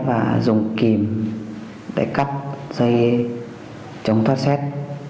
và dùng kìm để cắt dây chống thoát xét